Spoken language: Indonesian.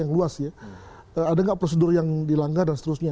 ada tidak prosedur yang dilanggar dan seterusnya